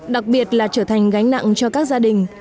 đặc biệt là trở thành gánh nặng cho các gia đình